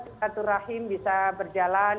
silaturahim bisa berjalan